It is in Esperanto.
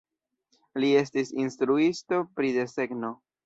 Li estis instruisto pri desegno.